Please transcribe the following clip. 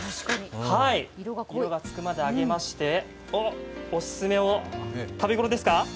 色がつくまで揚げまして、オススメを食べごろですか？